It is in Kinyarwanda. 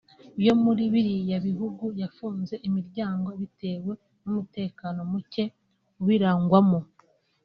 yo muri biriya bihugu yafunze imiryango bitewe n’umutekano muke ubirangwamo